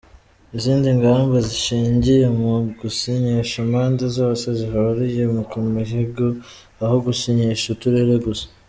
Izindi ngamba zishingiye mu gusinyisha impande zose zihuriye ku mihigo aho gusinyisha uturere gusa.